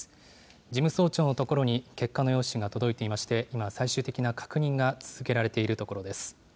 事務総長の所に、結果の用紙が届いていまして、今、最終的な確認が続けられているところです。